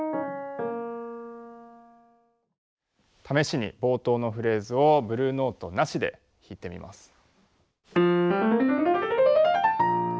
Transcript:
試しに冒頭のフレーズをブルーノートなしで弾いてみます。